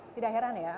tidak heran ya